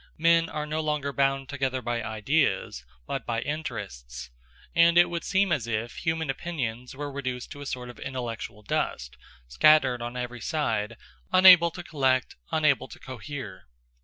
Men are no longer bound together by ideas, but by interests; and it would seem as if human opinions were reduced to a sort of intellectual dust, scattered on every side, unable to collect, unable to cohere.